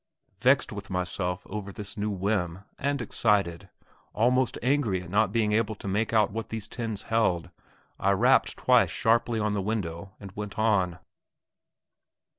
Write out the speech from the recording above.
Vexed with myself over this new whim, and excited almost angry at not being able to make out what these tins held, I rapped twice sharply on the window and went on.